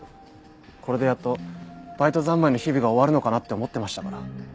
これでやっとバイト三昧の日々が終わるのかなって思ってましたから。